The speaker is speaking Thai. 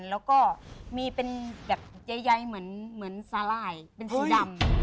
แล้วก็มีเป็นแบบใหญ่เหมือนสาหร่ายเป็นสีดำ